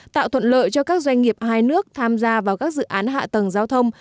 tạo thuận lợi cho các doanh nghiệp hai nước tham gia vào các dự án hạ tầng giao thông